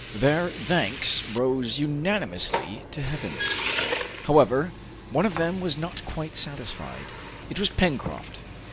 Their thanks rose unanimously to Heaven. However, one of them was not quite satisfied: it was Pencroft.